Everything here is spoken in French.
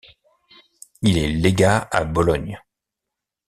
Il est légat à Bologne.